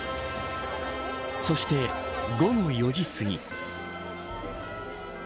そして、午後４時すぎ。